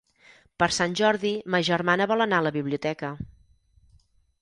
Per Sant Jordi ma germana vol anar a la biblioteca.